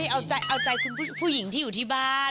เอาใจคุณผู้หญิงที่อยู่ที่บ้าน